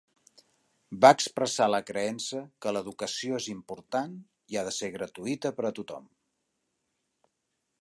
Va expressar la creença que l'educació és important i ha de ser gratuïta per a tothom.